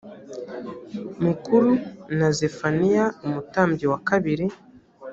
mukuru na zefaniya umutambyi wa kabiri